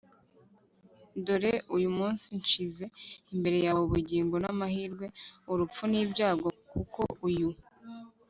dore uyu munsi nshyize imbere yawe ubugingo n'amahirwe, urupfu n'ibyago ; kuko uyu